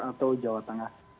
atau jawa tengah